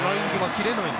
切れないか？